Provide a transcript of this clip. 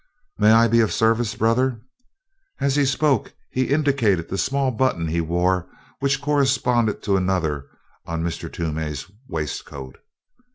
"May I be of service, brother?" As he spoke he indicated the small button he wore which corresponded to another on Toomey's waistcoat.